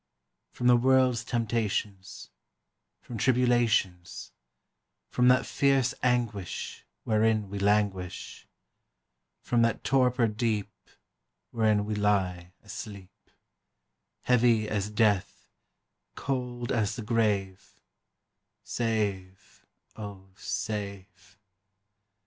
From the world's temptations; From tribulations; From that fierce anguish Wherein we languish; From that torpor deep Wherein we lie asleep, Heavy as death, cold as the grave, Save, O, save!